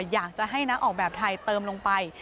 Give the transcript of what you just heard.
อยากจะให้นักออกแบบไทยเติมลงไป